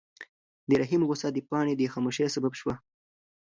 د رحیم غوسه د پاڼې د خاموشۍ سبب شوه.